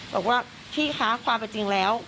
บอกว่าพี่คะความเป็นจริงแล้ว